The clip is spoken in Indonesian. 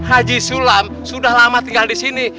haji sulam sudah lama tinggal di sini